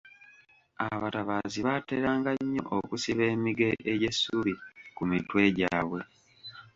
Abatabaazi baateranga nnyo okusiba emige egy'essubi ku mitwe gyabwe.